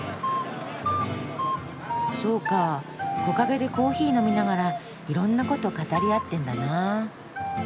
そうか木陰でコーヒー飲みながらいろんなこと語り合ってんだな。